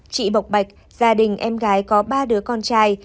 chị bộc bạch gia đình em gái có ba đứa con trai